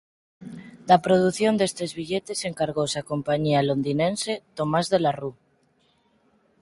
Da produción destes billetes encargouse a compañía londiniense "Thomas de la Rue".